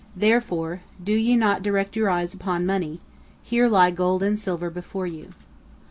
Therefore, do ye not direct your eyes upon money, here lie gold and silver before you."